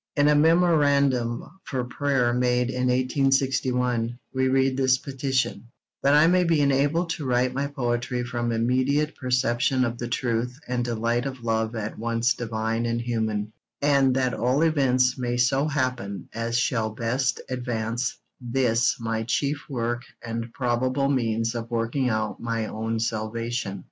In a memorandum for prayer made in 1861, we read this petition: That I may be enabled to write my poetry from immediate perception of the truth and delight of love at once divine and human, and that all events may so happen as shall best advance this my chief work and probable means of working out my own salvation.